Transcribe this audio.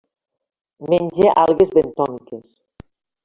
Menja algues bentòniques.